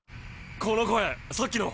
この声さっきの。